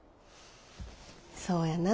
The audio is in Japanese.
そうやな。